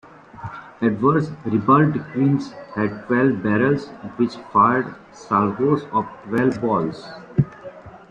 Edward's ribauldequins had twelve barrels which fired salvoes of twelve balls.